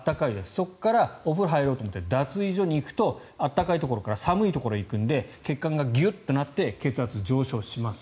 そこからお風呂入ろうと思って脱衣所に行くと暖かいところから寒いところへ行くので血管がギュッとなって血圧が上昇します。